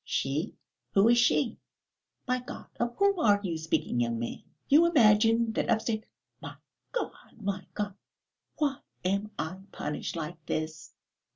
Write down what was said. "She? Who is she? My God, of whom are you speaking, young man? You imagine that upstairs.... My God, my God! Why am I punished like this?"